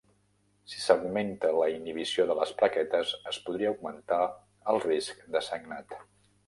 Si s'augmenta la inhibició de les plaquetes, es podria augmentar el risc de sagnat.